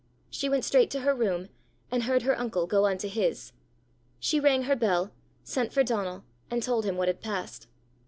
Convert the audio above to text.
She went straight to her room, and heard her uncle go on to his. She rang her bell, sent for Donal, and told him what had passed.